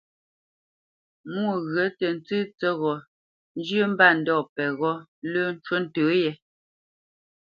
Mwô ghyə̂ tə tsə́ tsə́ghō njyə́ mbândɔ̂ peghó lə́ ncú ntə yē.